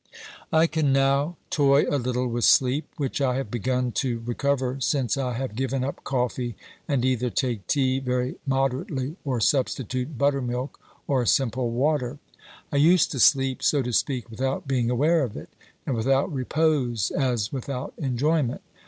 I can now toy a little with sleep, which I have begun to recover since I have given up coffee and either take tea very moderately or substitute butter milk or simple water, I used to sleep, so to speak, without being aware of it, and without repose as without enjoyment.